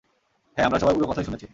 হ্যাঁ, আমরা সবাই এসব উড়ো কথাই শুনেছি!